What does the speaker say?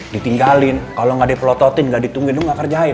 ditinggalin kalau nggak dipelototin nggak ditungguin dulu nggak kerjain